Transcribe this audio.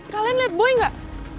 kalian liat boy gak